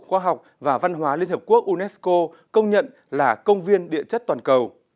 khoa học và văn hóa liên hợp quốc unesco công nhận là công viên địa chất toàn cầu